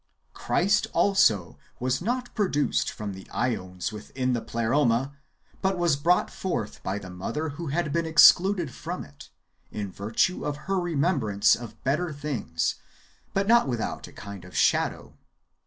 Christ also was not produced from the ^ons within the Pleroma, but was brought forth bv the mother who had been excluded from it, in virtue of her remembrance of better things, but not without a kind of shadow.